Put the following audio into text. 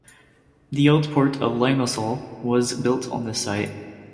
The old port of Limassol was built on this site.